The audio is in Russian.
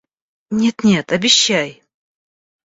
Нет, нет, обещай!...